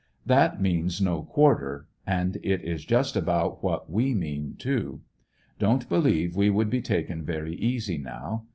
That means no quarter; and it is just about what we mean, too. Don't believe we would be taken very easy now.